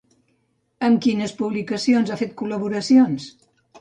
Amb quines publicacions ha fet col·laboracions?